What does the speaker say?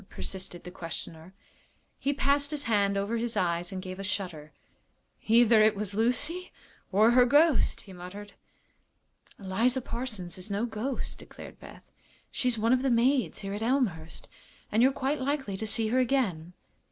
persisted the questioner. He passed his hand over his eyes and gave a shudder. "Either it was Lucy or her ghost," he muttered. "Eliza Parsons is no ghost," declared Beth. "She's one of the maids here at Elmhurst, and you're quite likely to see her again."